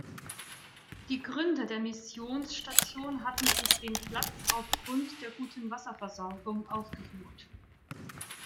Die Gründer der Missionsstation hatten sich den Platz aufgrund der guten Wasserversorgung ausgesucht.